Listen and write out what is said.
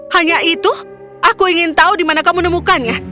hanya itu aku ingin tahu di mana kamu menemukannya